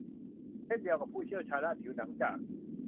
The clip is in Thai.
เช่นเดียวกับผู้เชี่ยวชาญด้านผิวหนังจาก